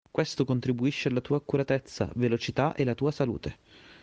Questo contribuisce alla tua accuratezza, velocità e la tua salute.